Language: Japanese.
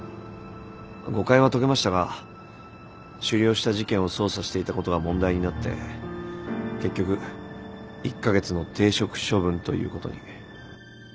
誤解は解けましたが終了した事件を捜査していたことが問題になって結局１カ月の停職処分ということに。